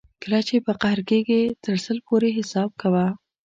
کله چې په قهر کېږې تر سل پورې حساب کوه.